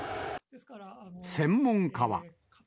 専門家は。